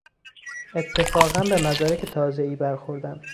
اتفاقا به مدارک تازهای برخوردن